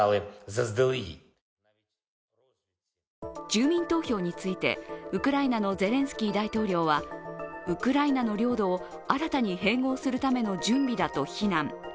住民投票について、ウクライナのゼレンスキー大統領はウクライナの領土を新たに併合するための準備だと非難。